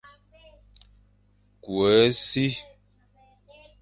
Ku e si.